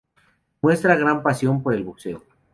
Muestra gran pasión por el boxeo.